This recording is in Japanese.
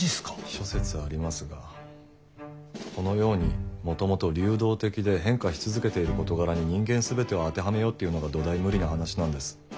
諸説ありますがこのようにもともと流動的で変化し続けている事柄に人間全てを当てはめようっていうのが土台無理な話なんです。